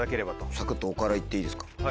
さくっとおから行っていいですか？